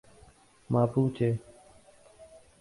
Mapuche